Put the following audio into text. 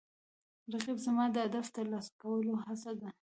رقیب زما د هدف ترلاسه کولو هڅه ده